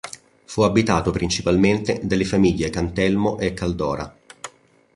Fu abitato principalmente dalle famiglie Cantelmo e Caldora.